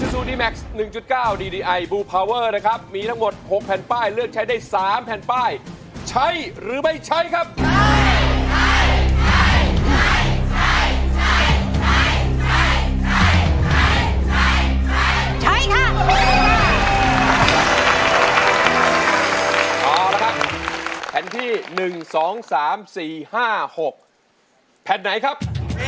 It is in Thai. สู้หรือหยุดครับ